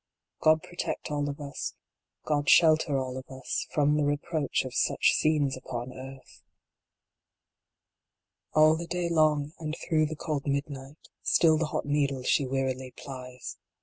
God protect all of us God shelter all of us From the reproach of such scenes upon earth ! II. All the day long, and through the cold midnight, Still the hot needle she wearily plies.